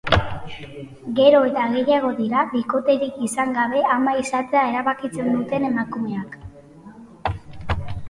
Gero eta gehiago dira bikoterik izan gabe ama izatea erabakitzen duten emakumeak.